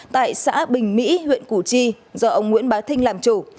tại xã bình mỹ huyện củ chi do ông nguyễn bá thinh làm chủ